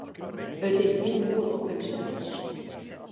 It is gjin doel op himsels.